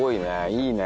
いいね。